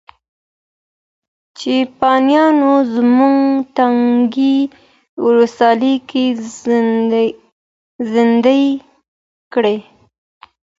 چپیانو زموږ تنکۍ ولسواکي زندۍ کړه.